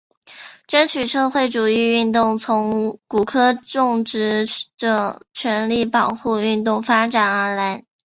争取社会主义运动从古柯种植者权利保护运动发展而来。